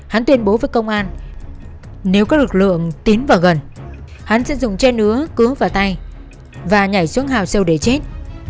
hắn tuyên bố với công an nếu các lực lượng tiến vào gần hắn sẽ dùng che nứa cứa vào tay và nhảy xuống hào sâu để chết